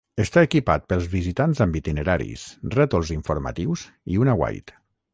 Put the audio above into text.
Està equipat pels visitants amb itineraris, rètols informatius i un aguait.